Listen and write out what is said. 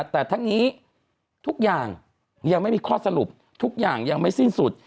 แต่ทั้งนี้ทุกอย่างยังไม่มีข้อสรุปทุกอย่างยังไม่สิ้นสุด